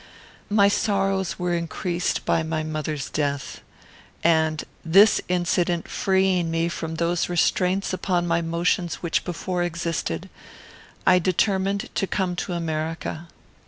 My sorrows were increased by my mother's death, and, this incident freeing me from those restraints upon my motions which before existed, I determined to come to America.